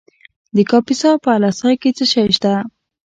د کاپیسا په اله سای کې څه شی شته؟